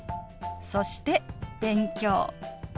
そして「勉強」。